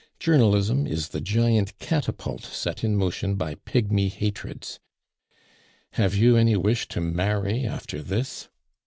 Journalism is the giant catapult set in motion by pigmy hatreds. Have you any wish to marry after this?